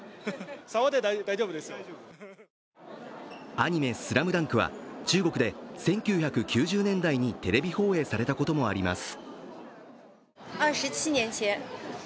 アニメ「ＳＬＡＭＤＵＮＫ」は中国で１９９０年代にテレビ放映されたこともあります。